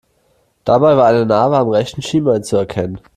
Dabei war eine Narbe am rechten Schienbein zu erkennen.